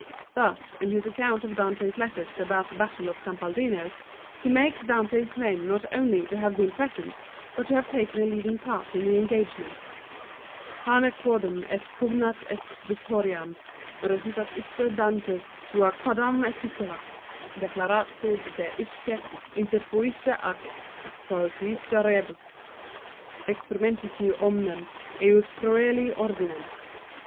Thus, in his account of Dante's letter about the battle of Campaldino, he makes Dante claim not only to have been present, but to have taken a leading part in the engagement :' Hanc quidem et pugnam et victoriam recitat ipse Dantes sua quadam epistola, declaratque se iisce interfuisse ac praefuisse rebus, exprimitque omnem eius proelii ordinem.'